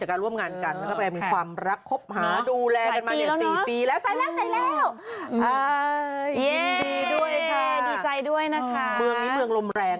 อ่านรุ้นค่ะอ่านรุ้นนิดนึง